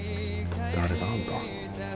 誰だ？あんた。